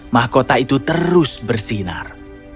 makhota itu terus bersinar